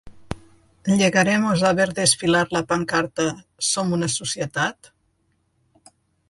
¿Llegaremos a ver desfilar la pancarta “Som una societat”?